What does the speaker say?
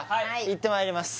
いってまいります